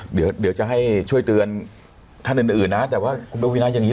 เดี๋ยวเดี๋ยวจะให้ช่วยเตือนท่านอื่นนะแต่ว่าคุณปวีนาอย่างนี้